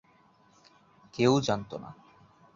কেউ জানত না।